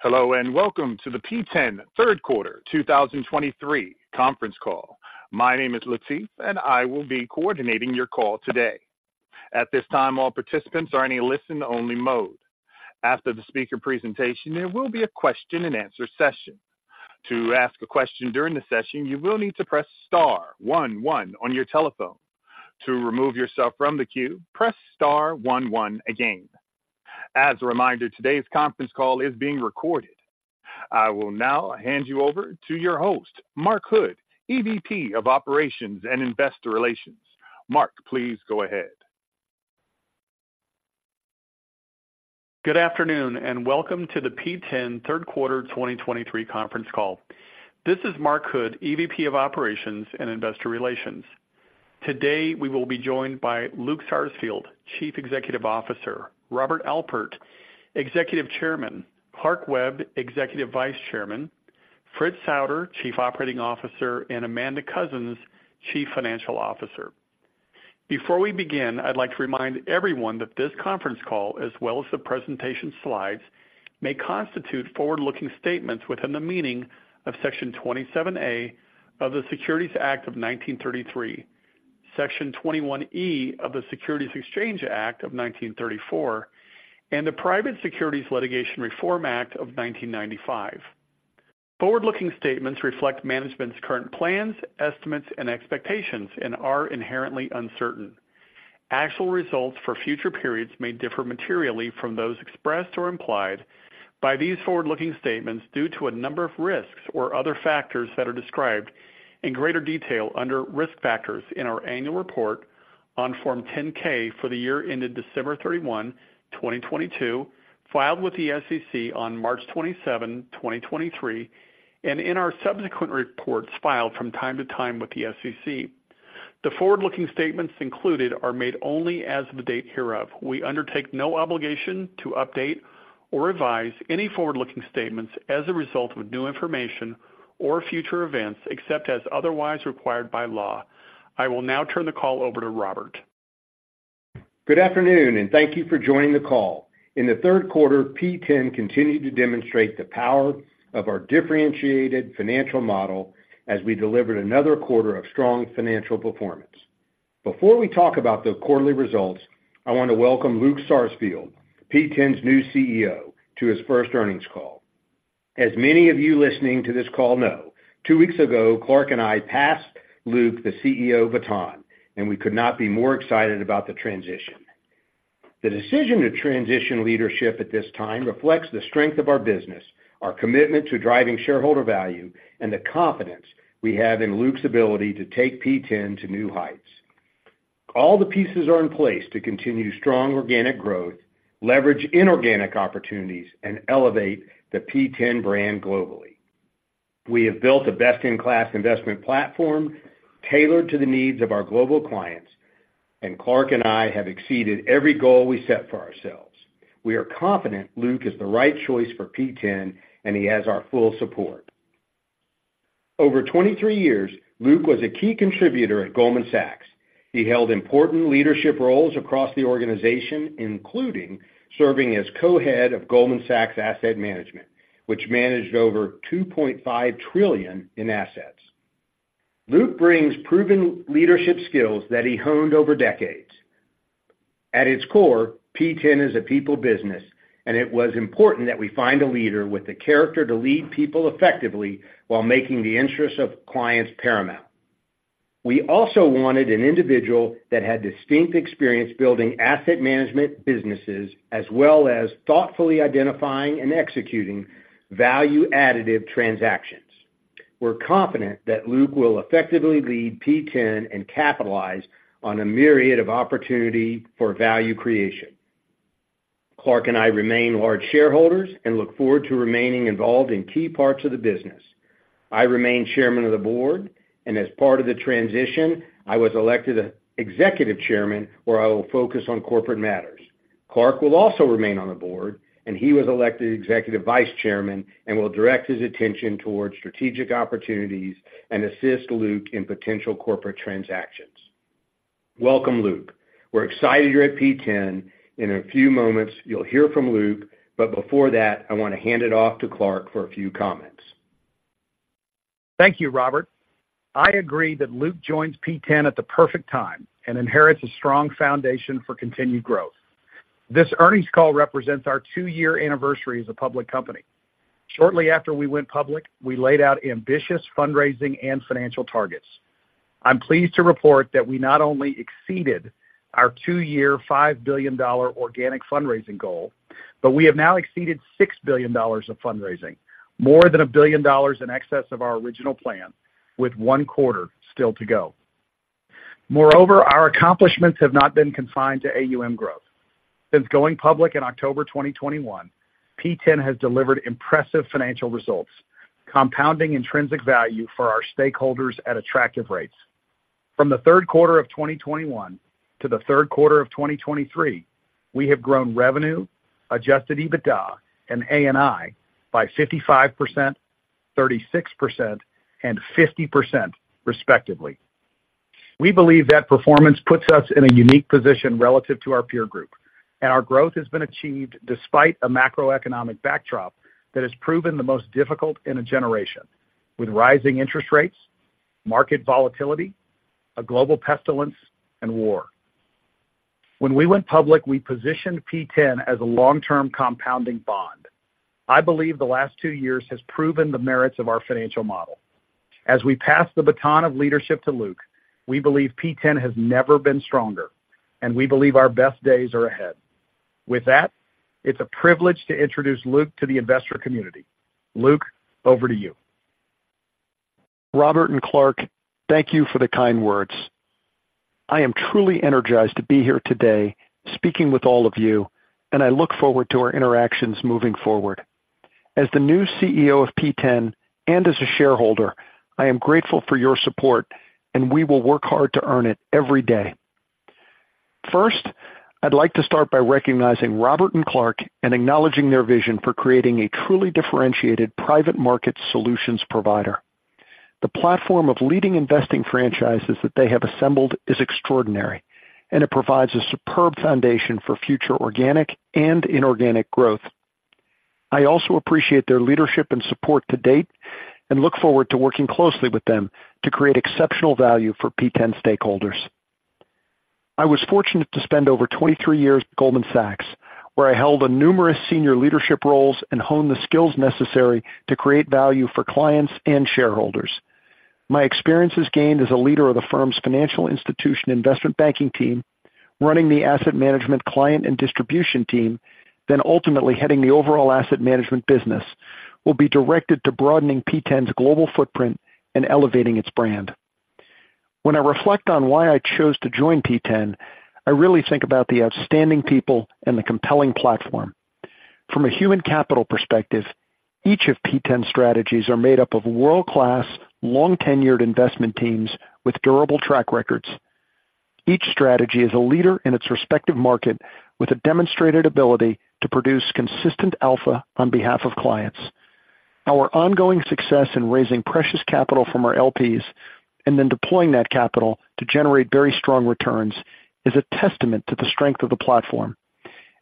Hello, and welcome to the P10 Third Quarter 2023 Conference Call. My name is Latif, and I will be coordinating your call today. At this time, all participants are in a listen-only mode. After the speaker presentation, there will be a question-and-answer session. To ask a question during the session, you will need to press star one one on your telephone. To remove yourself from the queue, press star one one again. As a reminder, today's conference call is being recorded. I will now hand you over to your host, Mark Hood, EVP of Operations and Investor Relations. Mark, please go ahead. Good afternoon, and welcome to the P10 third quarter 2023 conference call. This is Mark Hood, EVP of Operations and Investor Relations. Today, we will be joined by Luke Sarsfield, Chief Executive Officer; Robert Alpert, Executive Chairman; Clark Webb, Executive Vice Chairman; Fritz Souder, Chief Operating Officer; and Amanda Coussens, Chief Financial Officer. Before we begin, I'd like to remind everyone that this conference call, as well as the presentation slides, may constitute forward-looking statements within the meaning of Section 27A of the Securities Act of 1933, Section 21E of the Securities Exchange Act of 1934, and the Private Securities Litigation Reform Act of 1995. Forward-looking statements reflect management's current plans, estimates, and expectations and are inherently uncertain. Actual results for future periods may differ materially from those expressed or implied by these forward-looking statements due to a number of risks or other factors that are described in greater detail under Risk Factors in our annual report on Form 10-K for the year ended December 31, 2022, filed with the SEC on March 27, 2023, and in our subsequent reports filed from time to time with the SEC. The forward-looking statements included are made only as of the date hereof. We undertake no obligation to update or revise any forward-looking statements as a result of new information or future events, except as otherwise required by law. I will now turn the call over to Robert. Good afternoon, and thank you for joining the call. In the third quarter, P10 continued to demonstrate the power of our differentiated financial model as we delivered another quarter of strong financial performance. Before we talk about the quarterly results, I want to welcome Luke Sarsfield, P10's new CEO, to his first earnings call. As many of you listening to this call know, two weeks ago, Clark and I passed Luke the CEO baton, and we could not be more excited about the transition. The decision to transition leadership at this time reflects the strength of our business, our commitment to driving shareholder value, and the confidence we have in Luke's ability to take P10 to new heights. All the pieces are in place to continue strong organic growth, leverage inorganic opportunities, and elevate the P10 brand globally. We have built a best-in-class investment platform tailored to the needs of our global clients, and Clark and I have exceeded every goal we set for ourselves. We are confident Luke is the right choice for P10, and he has our full support. Over 23 years, Luke was a key contributor at Goldman Sachs. He held important leadership roles across the organization, including serving as Co-Head of Goldman Sachs Asset Management, which managed over $2.5 trillion in assets. Luke brings proven leadership skills that he honed over decades. At its core, P10 is a people business, and it was important that we find a leader with the character to lead people effectively while making the interests of clients paramount. We also wanted an individual that had distinct experience building asset management businesses, as well as thoughtfully identifying and executing value-additive transactions. We're confident that Luke will effectively lead P10 and capitalize on a myriad of opportunity for value creation. Clark and I remain large shareholders and look forward to remaining involved in key parts of the business. I remain chairman of the board, and as part of the transition, I was elected Executive Chairman, where I will focus on corporate matters. Clark will also remain on the board, and he was elected Executive Vice Chairman and will direct his attention towards strategic opportunities and assist Luke in potential corporate transactions. Welcome, Luke. We're excited you're at P10. In a few moments, you'll hear from Luke, but before that, I want to hand it off to Clark for a few comments. Thank you, Robert. I agree that Luke joins P10 at the perfect time and inherits a strong foundation for continued growth. This earnings call represents our two-year anniversary as a public company. Shortly after we went public, we laid out ambitious fundraising and financial targets. I'm pleased to report that we not only exceeded our two-year, $5 billion organic fundraising goal, but we have now exceeded $6 billion of fundraising, more than $1 billion in excess of our original plan, with one quarter still to go. Moreover, our accomplishments have not been confined to AUM growth. Since going public in October 2021, P10 has delivered impressive financial results, compounding intrinsic value for our stakeholders at attractive rates. From the third quarter of 2021 to the third quarter of 2023, we have grown revenue, Adjusted EBITDA, and ANI by 55%, 36%, and 50%, respectively.... We believe that performance puts us in a unique position relative to our peer group, and our growth has been achieved despite a macroeconomic backdrop that has proven the most difficult in a generation, with rising interest rates, market volatility, a global pestilence, and war. When we went public, we positioned P10 as a long-term compounding bond. I believe the last two years has proven the merits of our financial model. As we pass the baton of leadership to Luke, we believe P10 has never been stronger, and we believe our best days are ahead. With that, it's a privilege to introduce Luke to the investor community. Luke, over to you. Robert and Clark, thank you for the kind words. I am truly energized to be here today, speaking with all of you, and I look forward to our interactions moving forward. As the new CEO of P10 and as a shareholder, I am grateful for your support, and we will work hard to earn it every day. First, I'd like to start by recognizing Robert and Clark and acknowledging their vision for creating a truly differentiated private market solutions provider. The platform of leading investing franchises that they have assembled is extraordinary, and it provides a superb foundation for future organic and inorganic growth. I also appreciate their leadership and support to date, and look forward to working closely with them to create exceptional value for P10 stakeholders. I was fortunate to spend over 23 years at Goldman Sachs, where I held numerous senior leadership roles and honed the skills necessary to create value for clients and shareholders. My experiences gained as a leader of the firm's financial institution investment banking team, running the asset management client and distribution team, then ultimately heading the overall asset management business, will be directed to broadening P10's global footprint and elevating its brand. When I reflect on why I chose to join P10, I really think about the outstanding people and the compelling platform. From a human capital perspective, each of P10 strategies are made up of world-class, long-tenured investment teams with durable track records. Each strategy is a leader in its respective market, with a demonstrated ability to produce consistent alpha on behalf of clients. Our ongoing success in raising precious capital from our LPs and then deploying that capital to generate very strong returns is a testament to the strength of the platform,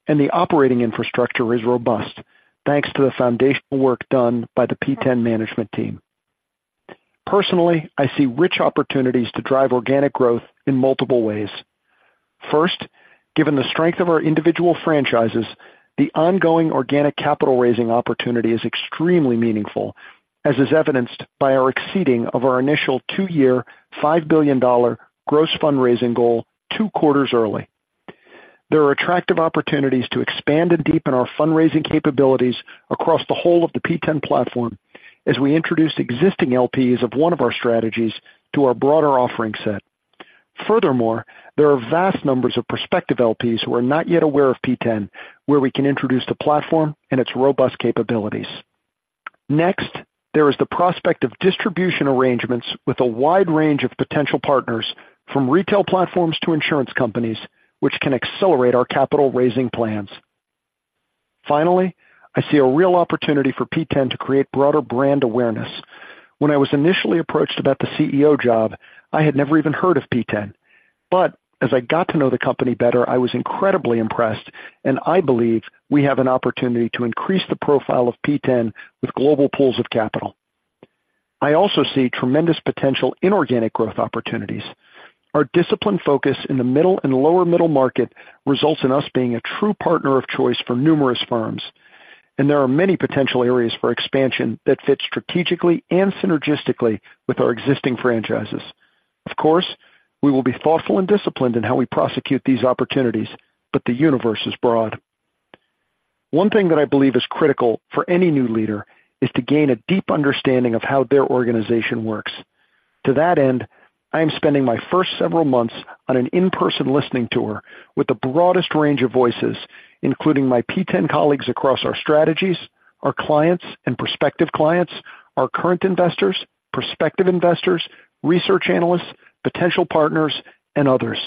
and the operating infrastructure is robust, thanks to the foundational work done by the P10 management team. Personally, I see rich opportunities to drive organic growth in multiple ways. First, given the strength of our individual franchises, the ongoing organic capital raising opportunity is extremely meaningful, as is evidenced by our exceeding of our initial two-year, $5 billion gross fundraising goal two quarters early. There are attractive opportunities to expand and deepen our fundraising capabilities across the whole of the P10 platform as we introduce existing LPs of one of our strategies to our broader offering set. Furthermore, there are vast numbers of prospective LPs who are not yet aware of P10, where we can introduce the platform and its robust capabilities. Next, there is the prospect of distribution arrangements with a wide range of potential partners, from retail platforms to insurance companies, which can accelerate our capital raising plans. Finally, I see a real opportunity for P10 to create broader brand awareness. When I was initially approached about the CEO job, I had never even heard of P10, but as I got to know the company better, I was incredibly impressed, and I believe we have an opportunity to increase the profile of P10 with global pools of capital. I also see tremendous potential inorganic growth opportunities. Our disciplined focus in the middle and lower middle market results in us being a true partner of choice for numerous firms, and there are many potential areas for expansion that fit strategically and synergistically with our existing franchises. Of course, we will be thoughtful and disciplined in how we prosecute these opportunities, but the universe is broad. One thing that I believe is critical for any new leader is to gain a deep understanding of how their organization works. To that end, I am spending my first several months on an in-person listening tour with the broadest range of voices, including my P10 colleagues across our strategies, our clients and prospective clients, our current investors, prospective investors, research analysts, potential partners, and others.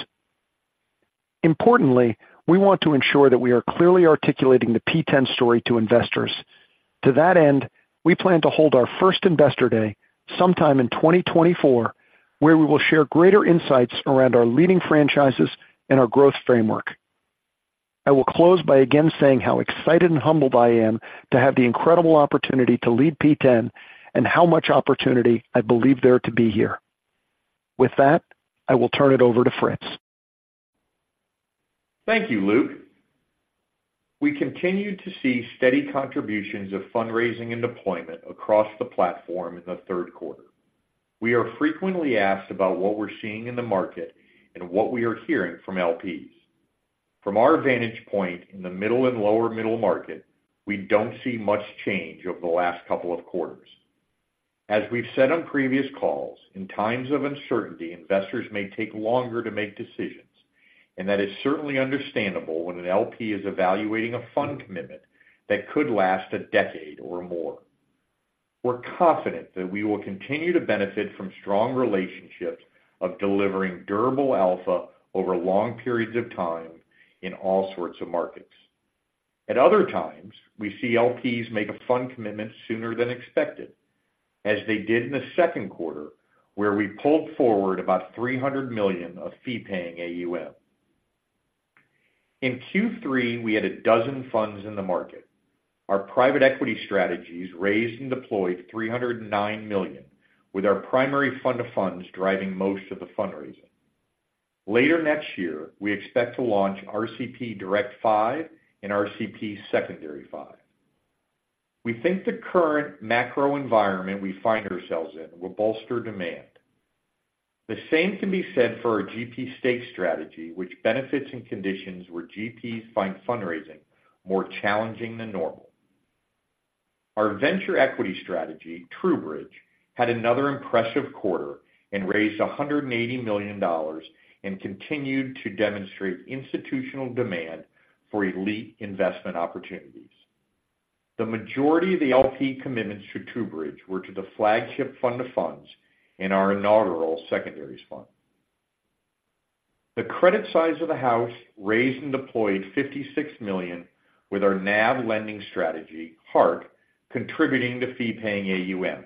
Importantly, we want to ensure that we are clearly articulating the P10 story to investors. To that end, we plan to hold our first investor day sometime in 2024, where we will share greater insights around our leading franchises and our growth framework. I will close by again saying how excited and humbled I am to have the incredible opportunity to lead P10 and how much opportunity I believe there to be here. With that, I will turn it over to Fritz. Thank you, Luke. We continued to see steady contributions of fundraising and deployment across the platform in the third quarter. We are frequently asked about what we're seeing in the market and what we are hearing from LPs. From our vantage point in the middle and lower middle market, we don't see much change over the last couple of quarters. As we've said on previous calls, in times of uncertainty, investors may take longer to make decisions, and that is certainly understandable when an LP is evaluating a fund commitment that could last a decade or more. We're confident that we will continue to benefit from strong relationships of delivering durable alpha over long periods of time in all sorts of markets.... At other times, we see LPs make a fund commitment sooner than expected, as they did in the second quarter, where we pulled forward about $300 million of fee-paying AUM. In Q3, we had a dozen funds in the market. Our Private Equity strategies raised and deployed $309 million, with our primary fund of funds driving most of the fundraising. Later next year, we expect to launch RCP Direct V and RCP Secondary V. We think the current macro environment we find ourselves in will bolster demand. The same can be said for our GP stake strategy, which benefits in conditions where GPs find fundraising more challenging than normal. Our venture equity strategy, TrueBridge, had another impressive quarter and raised $180 million and continued to demonstrate institutional demand for elite investment opportunities. The majority of the LP commitments to TrueBridge were to the flagship fund of funds in our inaugural secondaries fund. The credit side of the house raised and deployed $56 million with our NAV lending strategy, Hark, contributing to fee-paying AUM.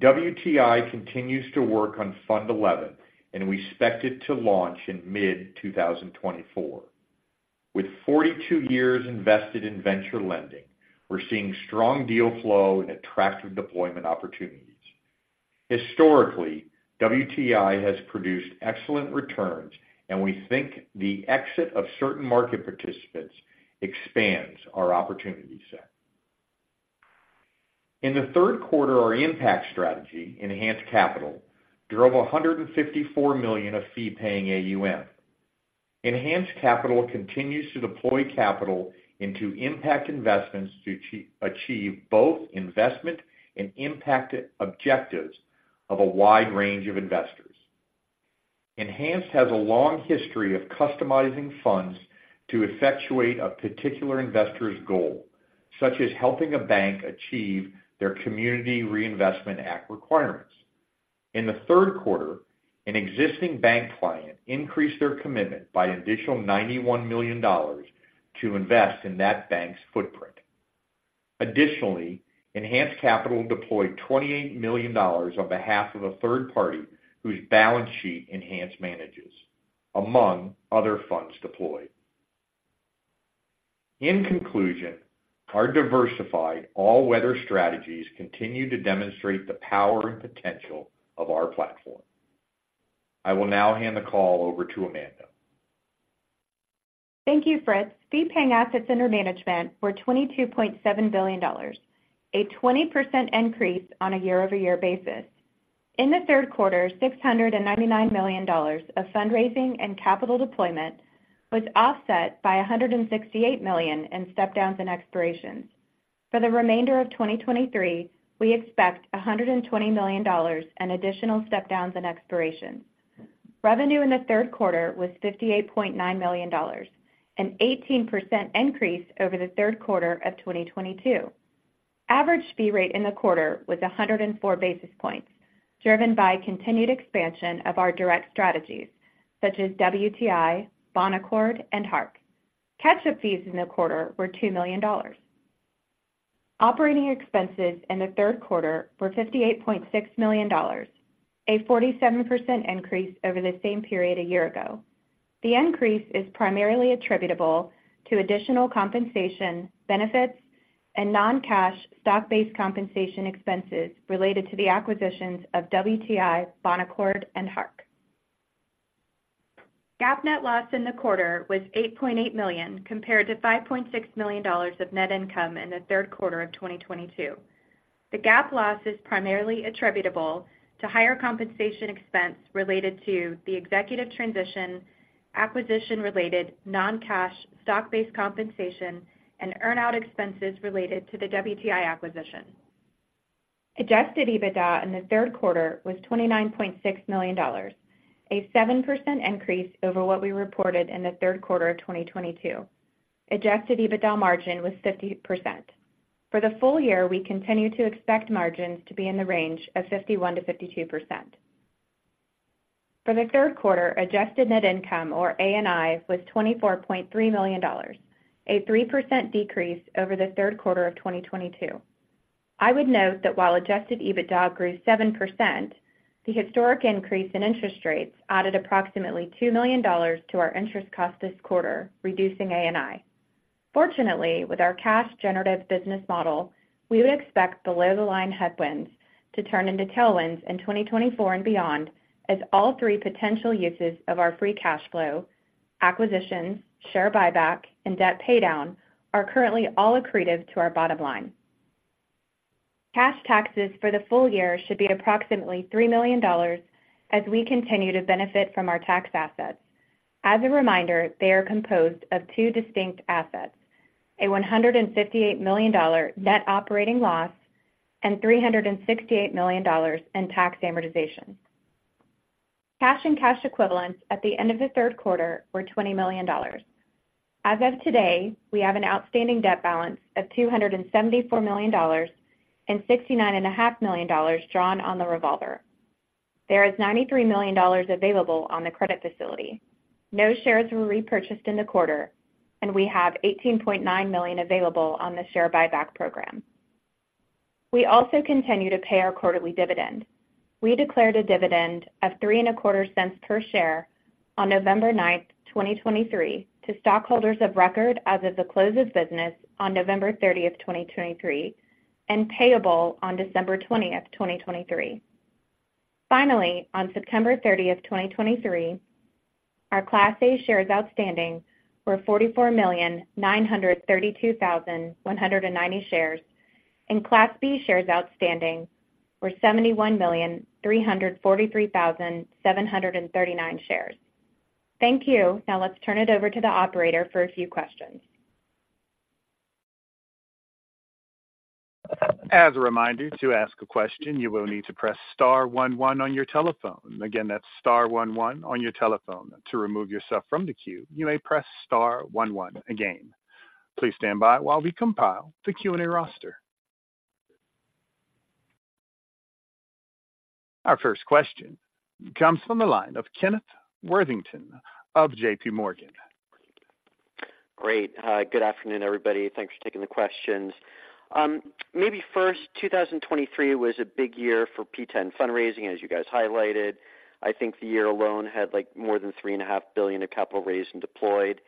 WTI continues to work on Fund XI, and we expect it to launch in mid-2024. With 42 years invested in venture lending, we're seeing strong deal flow and attractive deployment opportunities. Historically, WTI has produced excellent returns, and we think the exit of certain market participants expands our opportunity set. In the third quarter, our impact strategy, Enhanced Capital, drove $154 million of fee-paying AUM. Enhanced Capital continues to deploy capital into impact investments to achieve both investment and impact objectives of a wide range of investors. Enhanced Capital has a long history of customizing funds to effectuate a particular investor's goal, such as helping a bank achieve their Community Reinvestment Act requirements. In the third quarter, an existing bank client increased their commitment by an additional $91 million to invest in that bank's footprint. Additionally, Enhanced Capital deployed $28 million on behalf of a third party whose balance sheet Enhanced Capital manages, among other funds deployed. In conclusion, our diversified all-weather strategies continue to demonstrate the power and potential of our platform. I will now hand the call over to Amanda. Thank you, Fritz. Fee-paying assets under management were $22.7 billion, a 20% increase on a year-over-year basis. In the third quarter, $699 million of fundraising and capital deployment was offset by $168 million in step-downs and expirations. For the remainder of 2023, we expect $120 million in additional step-downs and expirations. Revenue in the third quarter was $58.9 million, an 18% increase over the third quarter of 2022. Average fee rate in the quarter was 104 basis points, driven by continued expansion of our direct strategies, such as WTI, Bonaccord, and Hark. Catch-up fees in the quarter were $2 million. Operating expenses in the third quarter were $58.6 million, a 47% increase over the same period a year ago. The increase is primarily attributable to additional compensation, benefits, and non-cash stock-based compensation expenses related to the acquisitions of WTI, Bonaccord, and Hark. GAAP net loss in the quarter was $8.8 million, compared to $5.6 million of net income in the third quarter of 2022. The GAAP loss is primarily attributable to higher compensation expense related to the executive transition, acquisition-related non-cash stock-based compensation, and earn-out expenses related to the WTI acquisition. Adjusted EBITDA in the third quarter was $29.6 million, a 7% increase over what we reported in the third quarter of 2022. Adjusted EBITDA margin was 50%. For the full year, we continue to expect margins to be in the range of 51%-52%. For the third quarter, Adjusted Net Income, or ANI, was $24.3 million, a 3% decrease over the third quarter of 2022. I would note that while Adjusted EBITDA grew 7%, the historic increase in interest rates added approximately $2 million to our interest cost this quarter, reducing ANI. Fortunately, with our cash generative business model, we would expect the below-the-line headwinds to turn into tailwinds in 2024 and beyond, as all three potential uses of our free cash flow, acquisitions, share buyback, and debt paydown, are currently all accretive to our bottom line. Cash taxes for the full year should be approximately $3 million as we continue to benefit from our tax assets. As a reminder, they are composed of two distinct assets, a $158 million net operating loss and $368 million in tax amortization. Cash and cash equivalents at the end of the third quarter were $20 million. As of today, we have an outstanding debt balance of $274 million and $69.5 million drawn on the revolver.... There is $93 million available on the credit facility. No shares were repurchased in the quarter, and we have $18.9 million available on the share buyback program. We also continue to pay our quarterly dividend. We declared a dividend of $0.0325 per share on November 9, 2023, to stockholders of record as of the close of business on November 30th, 2023, and payable on December 20th, 2023. Finally, on September 30th, 2023, our Class A shares outstanding were 44,932,190 shares, and Class B shares outstanding were 71,343,739 shares. Thank you. Now, let's turn it over to the operator for a few questions. As a reminder, to ask a question, you will need to press star one one on your telephone. Again, that's star one one on your telephone. To remove yourself from the queue, you may press star one one again. Please stand by while we compile the Q&A roster. Our first question comes from the line of Kenneth Worthington of JP Morgan. Great. Good afternoon, everybody. Thanks for taking the questions. Maybe first, 2023 was a big year for P10 fundraising, as you guys highlighted. I think the year alone had, like, more than $3.5 billion of capital raised and deployed.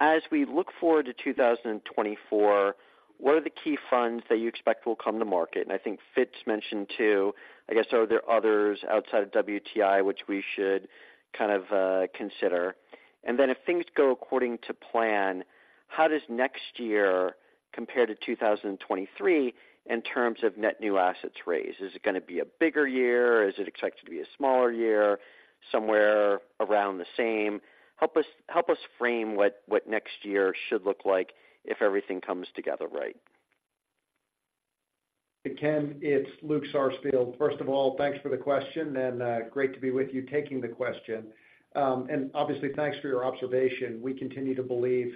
As we look forward to 2024, what are the key funds that you expect will come to market? And I think Fritz mentioned two. I guess, are there others outside of WTI which we should kind of consider? And then if things go according to plan, how does next year compare to 2023 in terms of net new assets raised? Is it gonna be a bigger year? Is it expected to be a smaller year, somewhere around the same? Help us, help us frame what, what next year should look like if everything comes together right. Hey, Ken, it's Luke Sarsfield. First of all, thanks for the question, and great to be with you taking the question. And obviously, thanks for your observation. We continue to believe,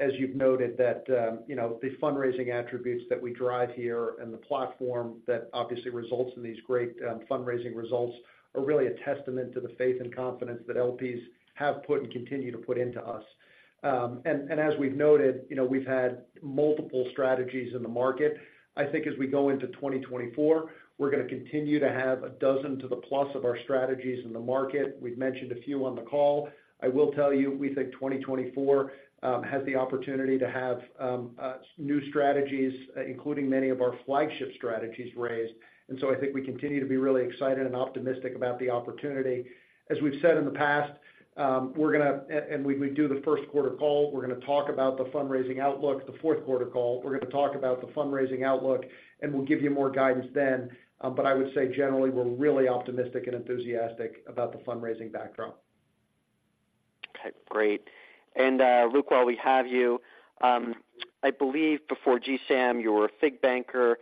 as you've noted, that you know, the fundraising attributes that we drive here and the platform that obviously results in these great fundraising results are really a testament to the faith and confidence that LPs have put and continue to put into us. And as we've noted, you know, we've had multiple strategies in the market. I think as we go into 2024, we're gonna continue to have a dozen to the plus of our strategies in the market. We've mentioned a few on the call. I will tell you, we think 2024 has the opportunity to have new strategies, including many of our flagship strategies raised. And so I think we continue to be really excited and optimistic about the opportunity. As we've said in the past, we're gonna, and when we do the first quarter call, we're gonna talk about the fundraising outlook. The fourth quarter call, we're gonna talk about the fundraising outlook, and we'll give you more guidance then. But I would say generally, we're really optimistic and enthusiastic about the fundraising backdrop. Okay, great. And, Luke, while we have you, I believe before GSAM, you were a FIG banker.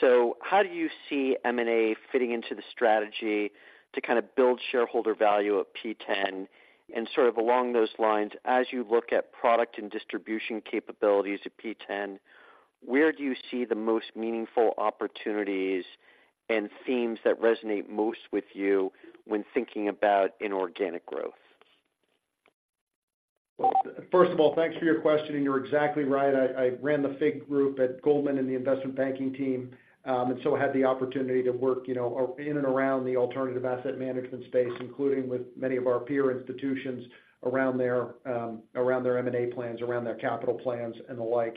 So how do you see M&A fitting into the strategy to kind of build shareholder value at P10? And sort of along those lines, as you look at product and distribution capabilities at P10, where do you see the most meaningful opportunities and themes that resonate most with you when thinking about inorganic growth? Well, first of all, thanks for your question, and you're exactly right. I, I ran the FIG group at Goldman and the investment banking team, and so had the opportunity to work, you know, in and around the alternative asset management space, including with many of our peer institutions around their, around their M&A plans, around their capital plans and the like.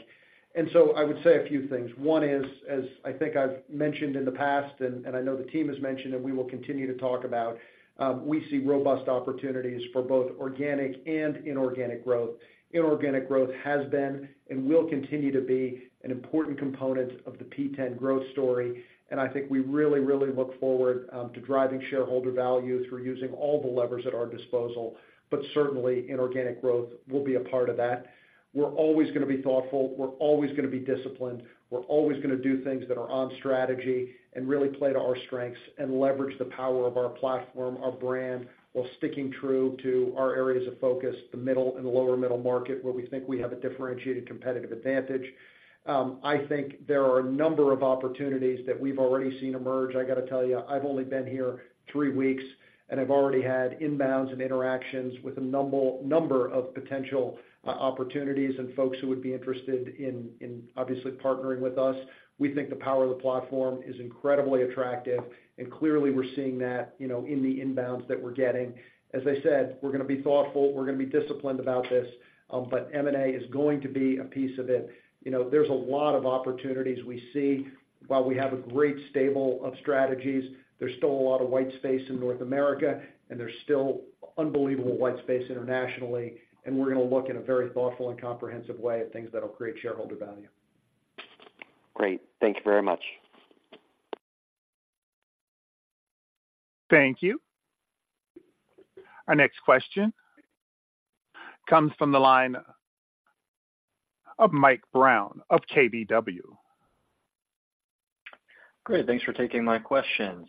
And so I would say a few things. One is, as I think I've mentioned in the past, and, and I know the team has mentioned, and we will continue to talk about, we see robust opportunities for both organic and inorganic growth. Inorganic growth has been and will continue to be an important component of the P10 growth story, and I think we really, really look forward to driving shareholder value through using all the levers at our disposal, but certainly inorganic growth will be a part of that. We're always gonna be thoughtful. We're always gonna be disciplined. We're always gonna do things that are on strategy and really play to our strengths and leverage the power of our platform, our brand, while sticking true to our areas of focus, the middle and the lower middle market, where we think we have a differentiated competitive advantage. I think there are a number of opportunities that we've already seen emerge. I got to tell you, I've only been here three weeks, and I've already had inbounds and interactions with a number of potential opportunities and folks who would be interested in obviously partnering with us. We think the power of the platform is incredibly attractive, and clearly, we're seeing that, you know, in the inbounds that we're getting. As I said, we're gonna be thoughtful, we're gonna be disciplined about this, but M&A is going to be a piece of it. You know, there's a lot of opportunities we see. While we have a great stable of strategies, there's still a lot of white space in North America, and there's still unbelievable white space internationally, and we're gonna look in a very thoughtful and comprehensive way at things that'll create shareholder value. Great. Thank you very much. Thank you. Our next question comes from the line of Mike Brown of KBW. Great. Thanks for taking my questions.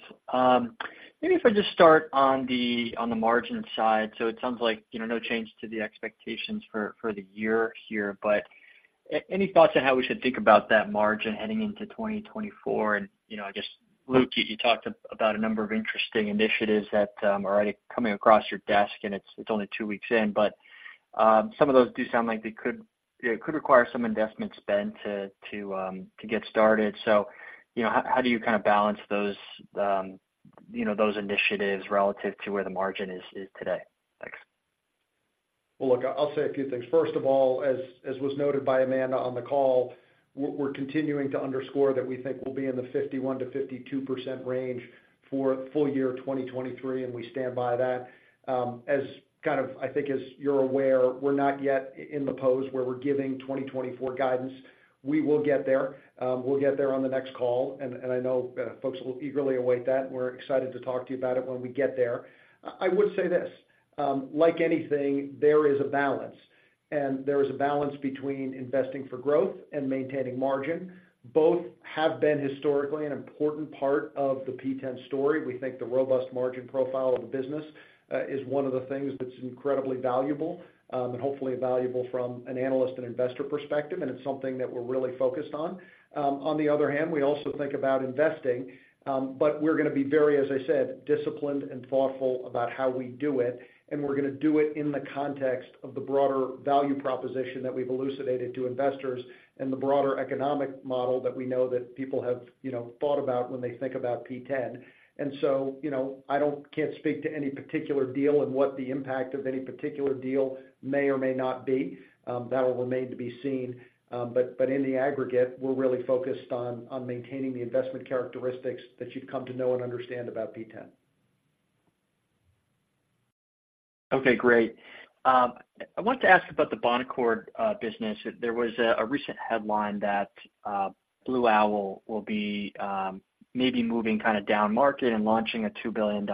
Maybe if I just start on the, on the margin side. It sounds like, you know, no change to the expectations for, for the year here, but... Any thoughts on how we should think about that margin heading into 2024? And, you know, I guess, Luke, you talked about a number of interesting initiatives that are already coming across your desk, and it's only two weeks in. But, some of those do sound like they could, you know, could require some investment spend to get started. So, you know, how do you kind of balance those, you know, those initiatives relative to where the margin is today? Thanks. Well, look, I, I'll say a few things. First of all, as, as was noted by Amanda on the call, we're, we're continuing to underscore that we think we'll be in the 51%-52% range for full year 2023, and we stand by that. As kind of I think as you're aware, we're not yet in a position where we're giving 2024 guidance. We will get there. We'll get there on the next call, and, and I know, folks will eagerly await that, and we're excited to talk to you about it when we get there. I, I would say this, like anything, there is a balance, and there is a balance between investing for growth and maintaining margin. Both have been historically an important part of the P10 story. We think the robust margin profile of the business is one of the things that's incredibly valuable, and hopefully valuable from an analyst and investor perspective, and it's something that we're really focused on. On the other hand, we also think about investing, but we're gonna be very, as I said, disciplined and thoughtful about how we do it, and we're gonna do it in the context of the broader value proposition that we've elucidated to investors and the broader economic model that we know that people have, you know, thought about when they think about P10. And so, you know, I can't speak to any particular deal and what the impact of any particular deal may or may not be. That will remain to be seen. But in the aggregate, we're really focused on maintaining the investment characteristics that you've come to know and understand about P10. Okay, great. I wanted to ask about the Bonaccord business. There was a recent headline that Blue Owl will be maybe moving kind of down market and launching a $2 billion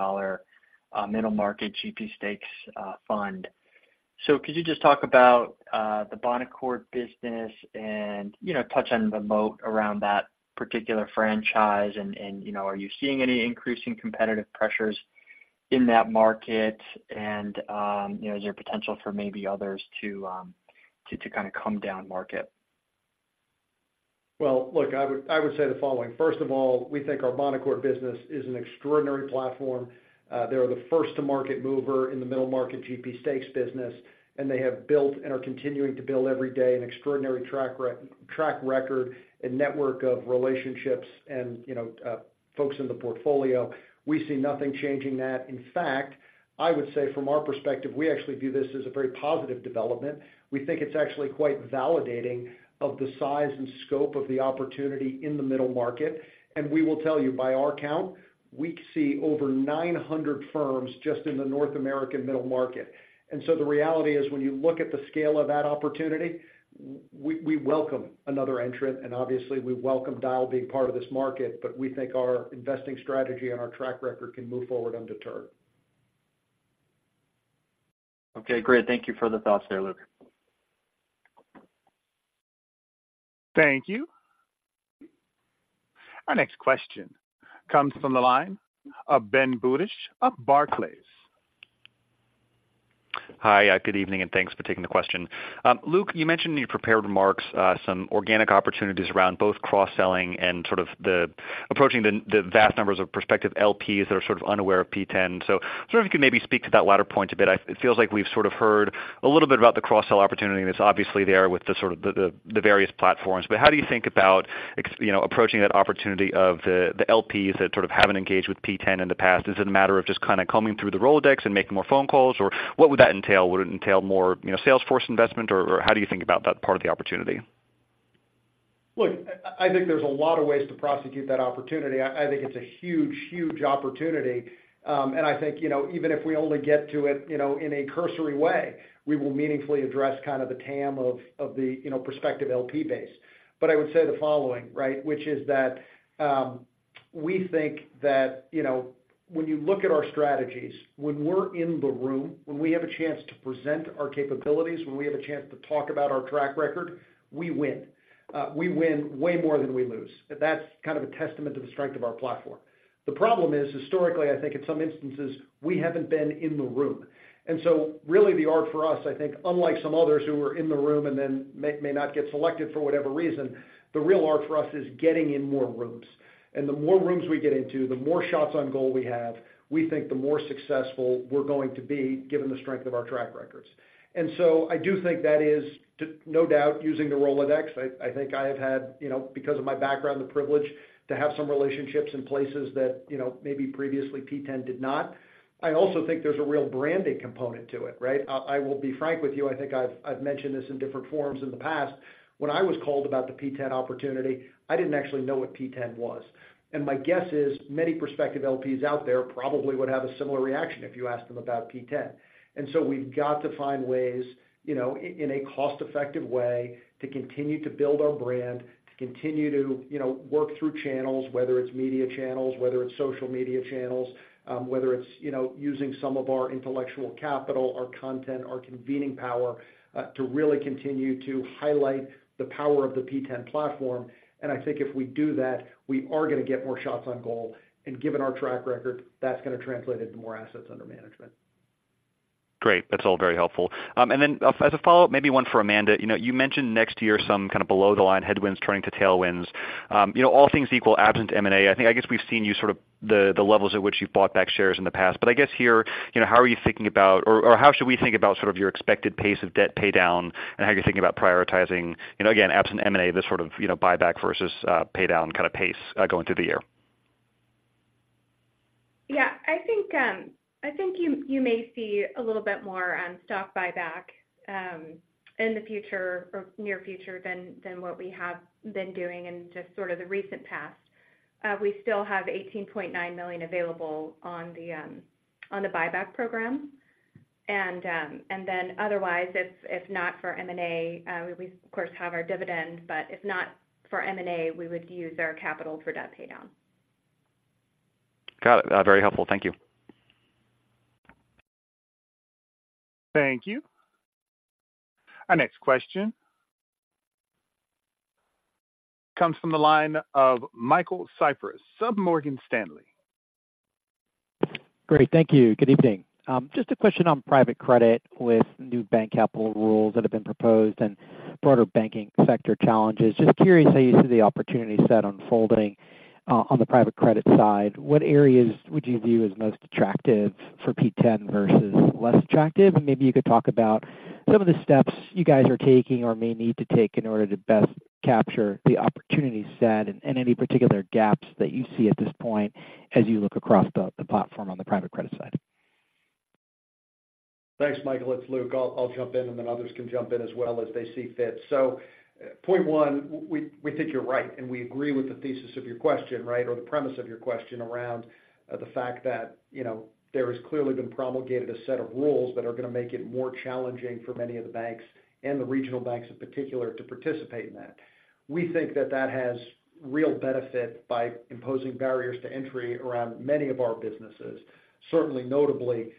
middle market GP stakes fund. So could you just talk about the Bonaccord business and, you know, touch on the moat around that particular franchise? And, you know, are you seeing any increasing competitive pressures in that market? And, you know, is there potential for maybe others to kind of come down market? Well, look, I would, I would say the following: First of all, we think our Bonaccord business is an extraordinary platform. They are the first to market mover in the middle market GP stakes business, and they have built and are continuing to build every day, an extraordinary track record and network of relationships and, you know, folks in the portfolio. We see nothing changing that. In fact, I would say from our perspective, we actually view this as a very positive development. We think it's actually quite validating of the size and scope of the opportunity in the middle market. And we will tell you, by our count, we see over 900 firms just in the North American middle market. And so the reality is, when you look at the scale of that opportunity, we welcome another entrant, and obviously, we welcome Dyal being part of this market, but we think our investing strategy and our track record can move forward undeterred. Okay, great. Thank you for the thoughts there, Luke. Thank you. Our next question comes from the line of Ben Budish of Barclays. Hi, good evening, and thanks for taking the question. Luke, you mentioned in your prepared remarks, some organic opportunities around both cross-selling and sort of approaching the vast numbers of prospective LPs that are sort of unaware of P10. So I was wondering if you could maybe speak to that latter point a bit. It feels like we've sort of heard a little bit about the cross-sell opportunity, and it's obviously there with the various platforms. But how do you think about you know, approaching that opportunity of the LPs that sort of haven't engaged with P10 in the past? Is it a matter of just kind of combing through the Rolodex and making more phone calls, or what would that entail? Would it entail more, you know, salesforce investment, or, or how do you think about that part of the opportunity? Look, I think there's a lot of ways to prosecute that opportunity. I think it's a huge, huge opportunity. And I think, you know, even if we only get to it, you know, in a cursory way, we will meaningfully address kind of the TAM of the, you know, prospective LP base. But I would say the following, right? Which is that, we think that, you know, when you look at our strategies, when we're in the room, when we have a chance to present our capabilities, when we have a chance to talk about our track record, we win. We win way more than we lose. That's kind of a testament to the strength of our platform. The problem is, historically, I think in some instances, we haven't been in the room. And so really the art for us, I think, unlike some others who were in the room and then may, may not get selected for whatever reason, the real art for us is getting in more rooms. And the more rooms we get into, the more shots on goal we have, we think the more successful we're going to be, given the strength of our track records. And so I do think that is to no doubt, using the Rolodex. I, I think I have had, you know, because of my background, the privilege to have some relationships in places that, you know, maybe previously P10 did not. I also think there's a real branding component to it, right? I, I will be frank with you, I think I've, I've mentioned this in different forums in the past. When I was called about the P10 opportunity, I didn't actually know what P10 was. And my guess is many prospective LPs out there probably would have a similar reaction if you asked them about P10. And so we've got to find ways, you know, in a cost-effective way, to continue to build our brand, to continue to, you know, work through channels, whether it's media channels, whether it's social media channels, whether it's, you know, using some of our intellectual capital, our content, our convening power, to really continue to highlight the power of the P10 platform. And I think if we do that, we are gonna get more shots on goal, and given our track record, that's gonna translate into more assets under management. ... Great. That's all very helpful. And then as a follow-up, maybe one for Amanda. You know, you mentioned next year some kind of below the line headwinds turning to tailwinds. You know, all things equal, absent M&A, I think, I guess we've seen you sort of the levels at which you've bought back shares in the past. But I guess here, you know, how are you thinking about, or, or how should we think about sort of your expected pace of debt pay down and how you're thinking about prioritizing, you know, again, absent M&A, this sort of, you know, buyback versus pay down kind of pace going through the year? Yeah, I think, I think you may see a little bit more on stock buyback, in the future or near future than what we have been doing in just sort of the recent past. We still have $18.9 million available on the, on the buyback program. And, and then otherwise, if not for M&A, we, of course, have our dividend, but if not for M&A, we would use our capital for debt pay down. Got it. Very helpful. Thank you. Thank you. Our next question comes from the line of Michael Cyprys of Morgan Stanley. Great. Thank you. Good evening. Just a question on private credit with new bank capital rules that have been proposed and broader banking sector challenges. Just curious how you see the opportunity set unfolding, on the private credit side. What areas would you view as most attractive for P10 versus less attractive? And maybe you could talk about some of the steps you guys are taking or may need to take in order to best capture the opportunity set and, and any particular gaps that you see at this point as you look across the, the platform on the private credit side. Thanks, Michael. It's Luke. I'll jump in, and then others can jump in as well as they see fit. So point one, we think you're right, and we agree with the thesis of your question, right? Or the premise of your question around the fact that, you know, there has clearly been promulgated a set of rules that are going to make it more challenging for many of the banks and the regional banks, in particular, to participate in that. We think that that has real benefit by imposing barriers to entry around many of our businesses, certainly notably,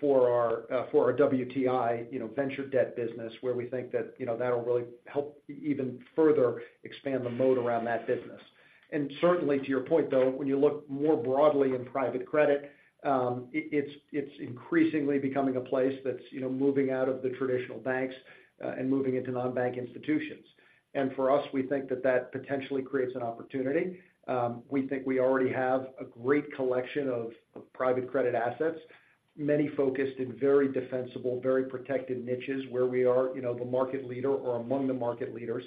for our for our WTI, you know, venture debt business, where we think that, you know, that'll really help even further expand the moat around that business. And certainly, to your point, though, when you look more broadly in private credit, it's increasingly becoming a place that's, you know, moving out of the traditional banks, and moving into non-bank institutions. And for us, we think that that potentially creates an opportunity. We think we already have a great collection of private credit assets, many focused in very defensible, very protected niches where we are, you know, the market leader or among the market leaders.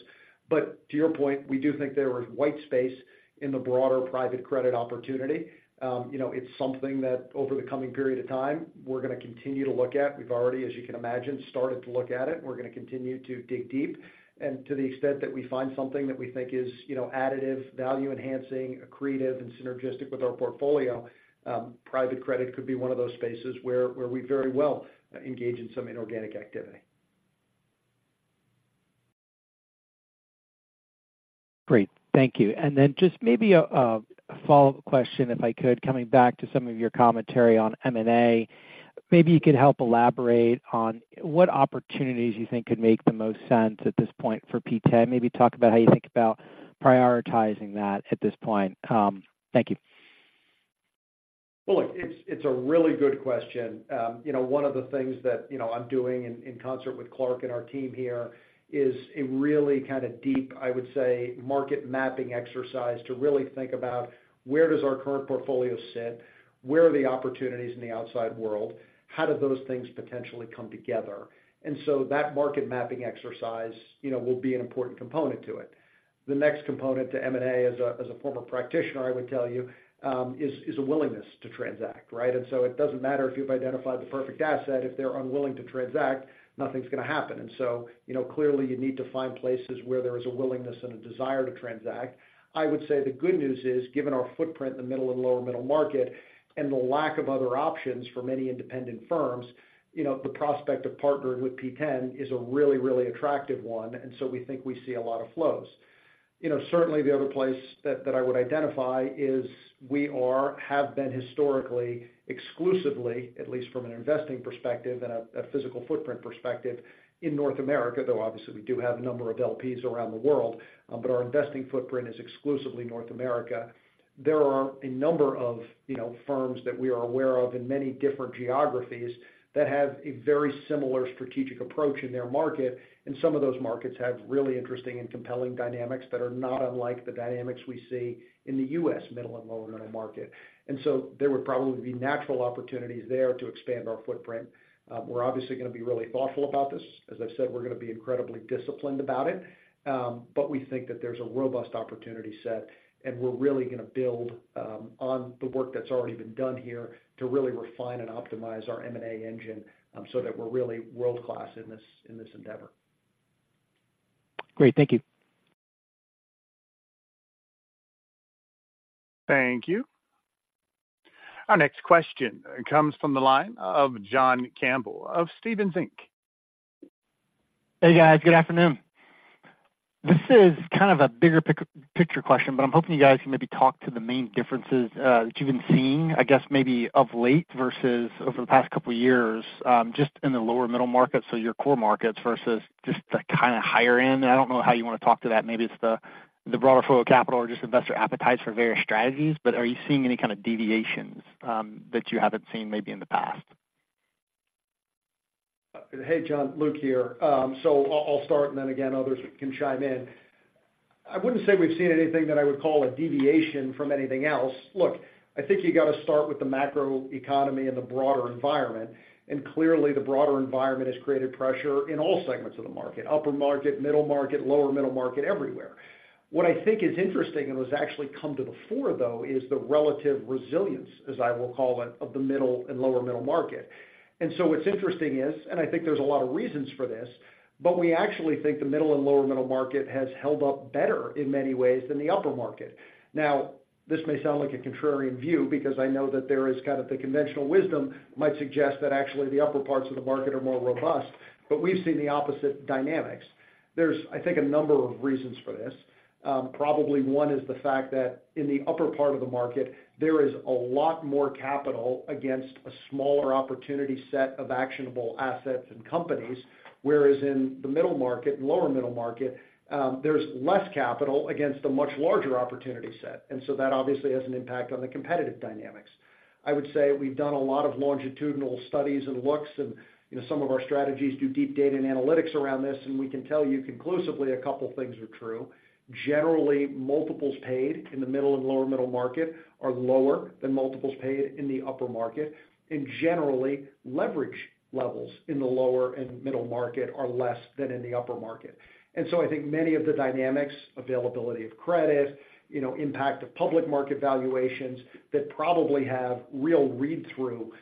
But to your point, we do think there is white space in the broader private credit opportunity. You know, it's something that over the coming period of time, we're going to continue to look at. We've already, as you can imagine, started to look at it. We're going to continue to dig deep. To the extent that we find something that we think is, you know, additive, value-enhancing, accretive, and synergistic with our portfolio, private credit could be one of those spaces where we very well engage in some inorganic activity. Great. Thank you. Then just maybe a follow-up question, if I could, coming back to some of your commentary on M&A. Maybe you could help elaborate on what opportunities you think could make the most sense at this point for P10. Maybe talk about how you think about prioritizing that at this point. Thank you. Well, look, it's a really good question. You know, one of the things that, you know, I'm doing in concert with Clark and our team here is a really kind of deep, I would say, market mapping exercise to really think about: Where does our current portfolio sit? Where are the opportunities in the outside world? How do those things potentially come together? And so that market mapping exercise, you know, will be an important component to it. The next component to M&A, as a former practitioner, I would tell you, is a willingness to transact, right? And so it doesn't matter if you've identified the perfect asset, if they're unwilling to transact, nothing's going to happen. And so, you know, clearly, you need to find places where there is a willingness and a desire to transact. I would say the good news is, given our footprint in the middle and lower middle market and the lack of other options for many independent firms, you know, the prospect of partnering with P10 is a really, really attractive one, and so we think we see a lot of flows. You know, certainly the other place that I would identify is we have been historically exclusively, at least from an investing perspective and a physical footprint perspective, in North America, though obviously we do have a number of LPs around the world, but our investing footprint is exclusively North America. There are a number of, you know, firms that we are aware of in many different geographies that have a very similar strategic approach in their market, and some of those markets have really interesting and compelling dynamics that are not unlike the dynamics we see in the U.S. middle and lower middle market. So there would probably be natural opportunities there to expand our footprint. We're obviously going to be really thoughtful about this. As I've said, we're going to be incredibly disciplined about it, but we think that there's a robust opportunity set, and we're really going to build on the work that's already been done here to really refine and optimize our M&A engine, so that we're really world-class in this, in this endeavor. Great. Thank you. Thank you. Our next question comes from the line of John Campbell of Stephens Inc. Hey, guys. Good afternoon. This is kind of a bigger picture question, but I'm hoping you guys can maybe talk to the main differences that you've been seeing, I guess, maybe of late versus over the past couple of years, just in the lower middle market, so your core markets, versus just the kind of higher end. I don't know how you want to talk to that. Maybe it's the broader flow of capital or just investor appetite for various strategies, but are you seeing any kind of deviations that you haven't seen maybe in the past? ... Hey, John, Luke here. So I'll start, and then again, others can chime in. I wouldn't say we've seen anything that I would call a deviation from anything else. Look, I think you got to start with the macro economy and the broader environment, and clearly, the broader environment has created pressure in all segments of the market: upper market, middle market, lower middle market, everywhere. What I think is interesting, and what's actually come to the fore, though, is the relative resilience, as I will call it, of the middle and lower middle market. And so what's interesting is, and I think there's a lot of reasons for this, but we actually think the middle and lower middle market has held up better in many ways than the upper market. Now, this may sound like a contrarian view because I know that there is kind of the conventional wisdom might suggest that actually the upper parts of the market are more robust, but we've seen the opposite dynamics. There's, I think, a number of reasons for this. Probably one is the fact that in the upper part of the market, there is a lot more capital against a smaller opportunity set of actionable assets and companies, whereas in the middle market and lower middle market, there's less capital against a much larger opportunity set, and so that obviously has an impact on the competitive dynamics. I would say we've done a lot of longitudinal studies and looks, and, you know, some of our strategies do deep data and analytics around this, and we can tell you conclusively a couple things are true. Generally, multiples paid in the middle and lower middle market are lower than multiples paid in the upper market, and generally, leverage levels in the lower and middle market are less than in the upper market. So I think many of the dynamics, availability of credit, you know, impact of public market valuations that probably have real read-through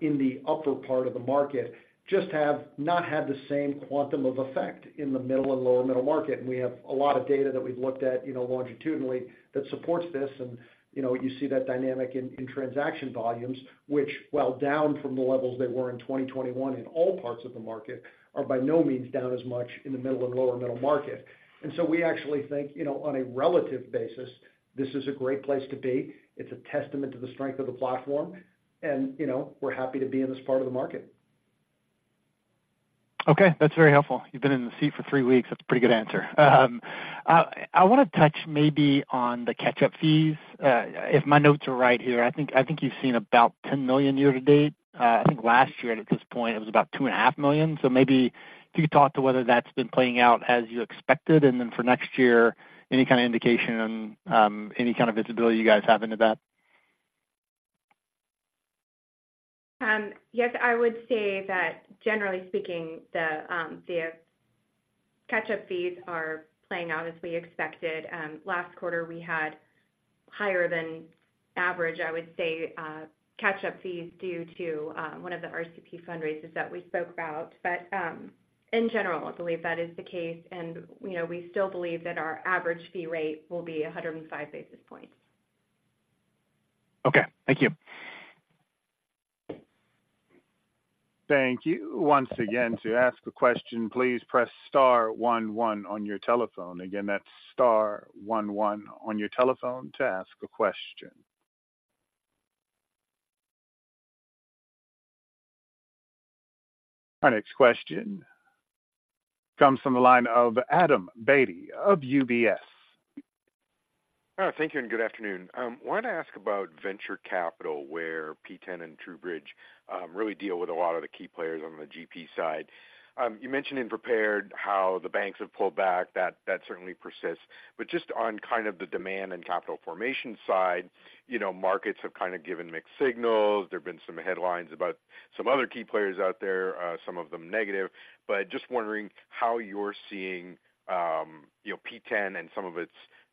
in the upper part of the market, just have not had the same quantum of effect in the middle and lower middle market. And we have a lot of data that we've looked at, you know, longitudinally that supports this. And you know, you see that dynamic in transaction volumes, which, while down from the levels they were in 2021 in all parts of the market, are by no means down as much in the middle and lower middle market. We actually think, you know, on a relative basis, this is a great place to be. It's a testament to the strength of the platform, and, you know, we're happy to be in this part of the market. Okay, that's very helpful. You've been in the seat for three weeks. That's a pretty good answer. I want to touch maybe on the catch-up fees, if my notes are right here, I think, I think you've seen about $10 million year to date. I think last year, at this point, it was about $2.5 million. So maybe if you could talk to whether that's been playing out as you expected, and then for next year, any kind of indication on, any kind of visibility you guys have into that? Yes, I would say that generally speaking, the catch-up fees are playing out as we expected. Last quarter, we had higher than average, I would say, catch-up fees due to one of the RCP fundraisers that we spoke about. But in general, I believe that is the case, and, you know, we still believe that our average fee rate will be 105 basis points. Okay, thank you. Thank you. Once again, to ask a question, please press star one one on your telephone. Again, that's star one one on your telephone to ask a question. Our next question comes from the line of Adam Beatty of UBS. Thank you, and good afternoon. Wanted to ask about venture capital, where P10 and TrueBridge really deal with a lot of the key players on the GP side. You mentioned and prepared how the banks have pulled back. That certainly persists. But just on kind of the demand and capital formation side, you know, markets have kind of given mixed signals. There have been some headlines about some other key players out there, some of them negative. But just wondering how you're seeing, you know, P10 and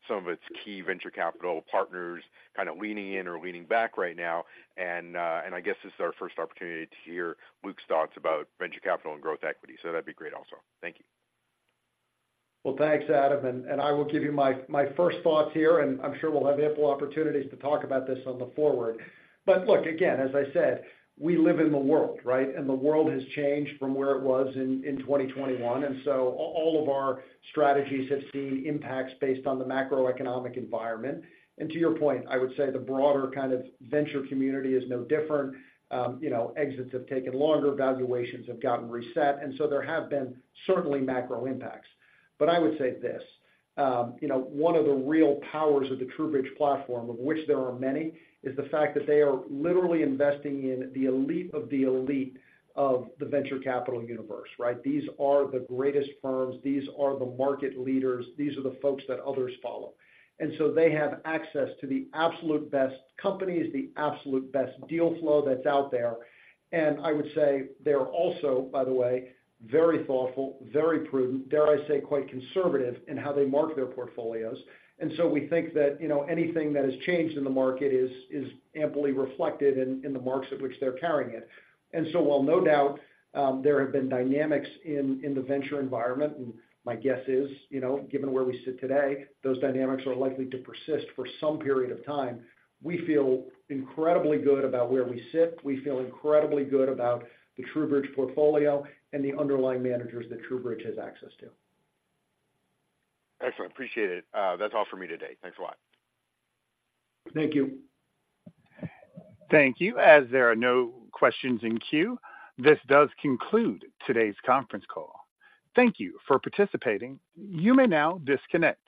some of its key venture capital partners kind of leaning in or leaning back right now. And I guess this is our first opportunity to hear Luke's thoughts about venture capital and growth equity, so that'd be great also. Thank you. Well, thanks, Adam, and I will give you my first thoughts here, and I'm sure we'll have ample opportunities to talk about this on the forward. But look again, as I said, we live in the world, right? And the world has changed from where it was in 2021, and so all of our strategies have seen impacts based on the macroeconomic environment. And to your point, I would say the broader kind of venture community is no different. You know, exits have taken longer, valuations have gotten reset, and so there have been certainly macro impacts. But I would say this, you know, one of the real powers of the TrueBridge platform, of which there are many, is the fact that they are literally investing in the elite of the elite of the venture capital universe, right? These are the greatest firms, these are the market leaders, these are the folks that others follow. And so they have access to the absolute best companies, the absolute best deal flow that's out there. And I would say they're also, by the way, very thoughtful, very prudent, dare I say, quite conservative in how they mark their portfolios. And so we think that, you know, anything that has changed in the market is amply reflected in the marks at which they're carrying it. And so while no doubt, there have been dynamics in the venture environment, and my guess is, you know, given where we sit today, those dynamics are likely to persist for some period of time. We feel incredibly good about where we sit. We feel incredibly good about the TrueBridge portfolio and the underlying managers that TrueBridge has access to. Excellent. Appreciate it. That's all for me today. Thanks a lot. Thank you. Thank you. As there are no questions in queue, this does conclude today's conference call. Thank you for participating. You may now disconnect.